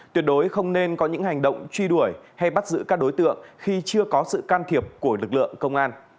tuyệt đối không nên có những hành động truy đuổi hay bắt giữ các đối tượng khi chưa có sự can thiệp của lực lượng công an